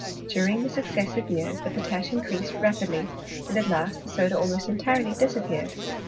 During the successive years the potash increased rapidly, and at last the soda almost entirely disappeared.